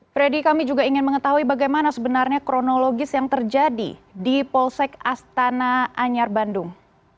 freddy kami juga ingin mengetahui bagaimana sebenarnya kronologis yang terjadi di polsek astana anyar bandung